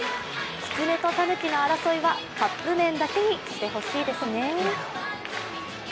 きつねと、たぬきの争いはカップ麺だけにしてほしいですね。